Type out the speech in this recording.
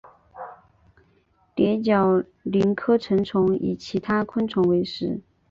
蝶角蛉科成虫以其他昆虫为食。